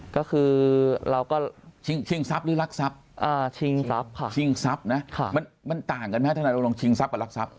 ก็คือเราก็ชิงทรัพย์หรือลักทรัพย์ชิงทรัพย์ค่ะมันต่างกันไหมเราลองชิงทรัพย์กับลักทรัพย์